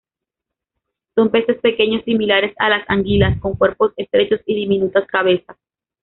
Son peces pequeños, similares a las anguilas, con cuerpos estrechos y diminutas cabezas.